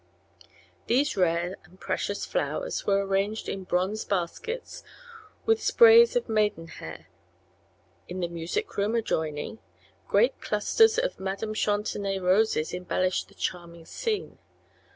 These rare and precious flowers were arranged in bronze baskets with sprays of maidenhair. In the music room adjoining, great clusters of Madam Chantenay roses embellished the charming scene.